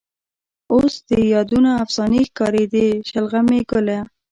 اوس د یادونه افسانې ښکاري. د شلغمې ګله